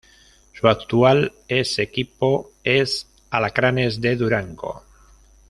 Su actual es equipo es Alacranes de Durango.